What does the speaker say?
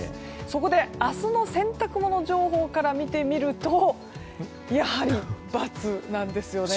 そこで、明日の洗濯物情報を見てみるとやはりバツなんですよね。